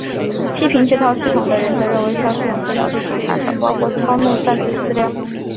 批评这套系统的人则认为这套系统会导致警察少报或操弄犯罪的资料。